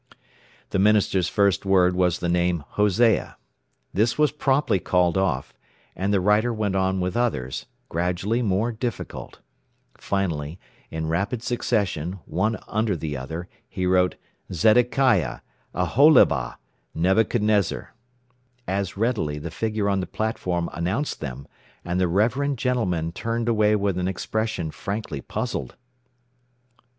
The minister's first word was the name Hosea. This was promptly called off, and the writer went on with others, gradually more difficult. Finally, in rapid succession, one under the other, he wrote "ZEDEKIAH, AHOLIBAH, NEBUCHADNEZZAR." As readily the figure on the platform announced them, and the reverend gentleman turned away with an expression frankly puzzled.